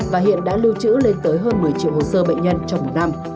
và hiện đã lưu trữ lên tới hơn một mươi triệu hồ sơ bệnh nhân trong một năm